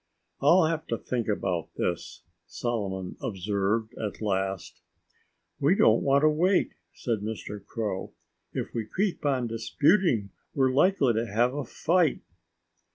"I'll have to think about this," Solomon observed at last. "We don't want to wait," said Mr. Crow. "If we keep on disputing we're likely to have a fight."